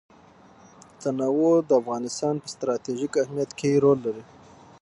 تنوع د افغانستان په ستراتیژیک اهمیت کې رول لري.